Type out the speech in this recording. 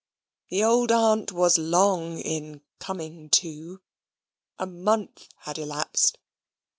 The old aunt was long in "coming to." A month had elapsed.